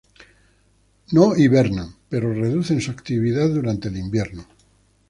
No hibernan, pero reducen su actividad durante el invierno.